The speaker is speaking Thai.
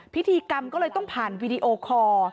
พิธีกรรมก็เลยต้องผ่านวีดีโอคอร์